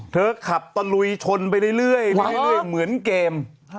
ขับตะลุยชนไปเรื่อยเหมือนเกม